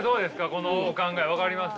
このお考え分かります？